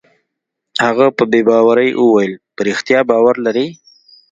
هغه په بې باورۍ وویل: په رښتیا باور لرې؟